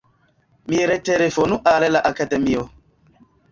Mi retelefonu al la Akademio.